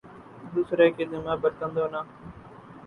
دوسری کے ذمہ برتن دھونا